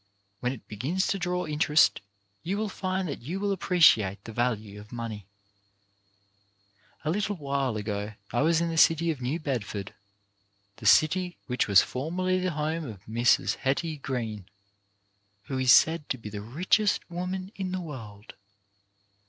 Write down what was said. When it begins to draw interest you will find that you will ap preciate the value of money. A PENNY SAVED 275 A little while ago I was in the city of New Bed ford, the city which was formerly the home of Mrs. Hetty Green, who is said to be the richest woman in the world.